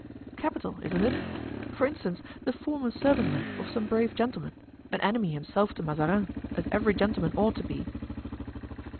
"Capital, isn't it? for instance, the former servingman of some brave gentleman, an enemy himself to Mazarin, as every gentleman ought to be."